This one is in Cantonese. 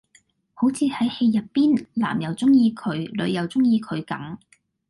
好似喺戲入邊男又鍾意佢女又鍾意佢咁